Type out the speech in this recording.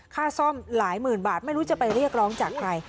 ค่าซ่อมหลายหมื่นบาทไม่รู้จะไปเรียกร้องจากใคร